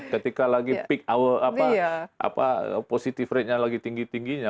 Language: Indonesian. ketika lagi peak our positive ratenya lagi tinggi tingginya